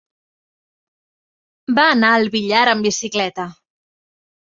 Va anar al Villar amb bicicleta.